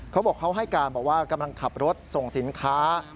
เขาบอกเขาให้การบอกว่ากำลังขับรถส่งสินค้า